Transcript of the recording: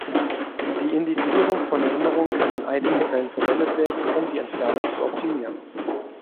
Die Indizierung von Erinnerung kann in einigen Fällen verwendet werden, um die Entfernung zu optimieren.